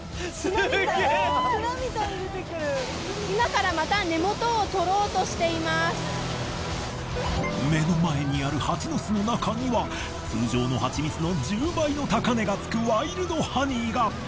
今からまた目の前にあるハチの巣の中には通常のハチミツの１０倍の高値がつくワイルドハニーが！